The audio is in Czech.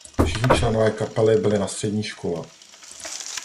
Všichni členové kapely byli na střední škole.